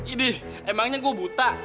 idih emangnya gue buta